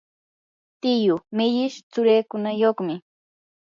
tiyuu millish tsurikunayuqmi.